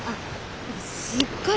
すっごい